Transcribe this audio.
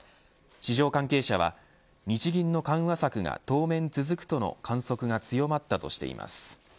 市場関係者は日銀の緩和策が当面続くとの観測が強まったとしています。